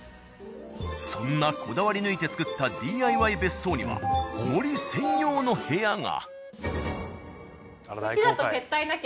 そんなこだわり抜いてつくったＤＩＹ別荘には森専用の部屋が。